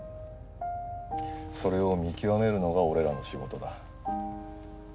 それを見極めるのが俺らの仕事だ